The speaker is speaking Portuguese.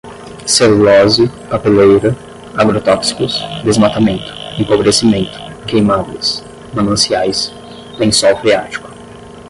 celulose, papeleira, agrotóxicos, desmatamento, empobrecimento, queimadas, mananciais, lençol freático